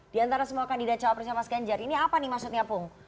di antara semua kandidat cawapresnya mas ganjar ini apa nih maksudnya pung